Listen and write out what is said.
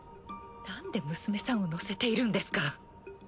なんで娘さんを乗せているんですか？